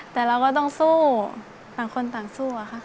แต่เราก็ต้องสู้ต่างคนต่างสู้อะค่ะ